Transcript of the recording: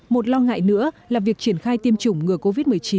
một lo ngại nữa là việc triển khai tiêm chủng ngừa covid một mươi chín